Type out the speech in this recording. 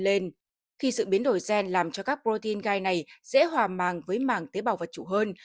lên khi sự biến đổi gen làm cho các protein gai này dễ hòa màng với mảng tế bào vật chủ hơn